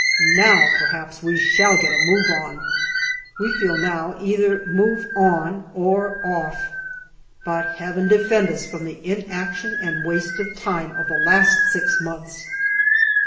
Now perhaps we shall get a move on. We feel now, either move on or off. But Heaven defend us from the inaction and waste of time of the last six months